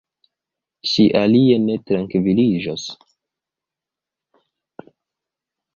Ŝi alie ne trankviliĝos.